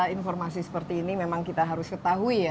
informasi seperti ini memang kita harus ketahui ya